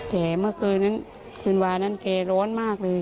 แต่เมื่อคืนนั้นคืนวานั้นแกร้อนมากเลย